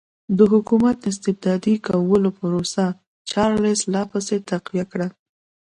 د حکومت استبدادي کولو پروسه چارلېس لا پسې تقویه کړه.